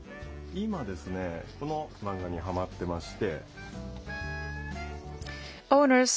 今この漫画にはまっていまして。